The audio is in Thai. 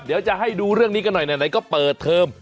เดี๋ยวจะให้ดูเรื่องนี้กันหน่อยไหนก็เปิดเทอม